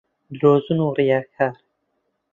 درۆزن و ڕیاکار